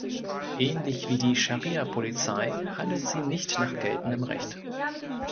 Ähnlich wie die Scharia-Polizei handelt sie nicht nach geltendem Recht.